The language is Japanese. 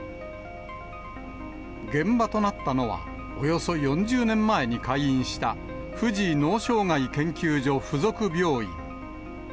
現場となったのは、およそ４０年前に開院した富士脳障害研究所附属病院。